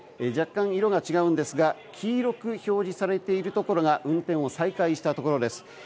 若干、色が違うんですが黄色く表示されているところが運転を再開したところです。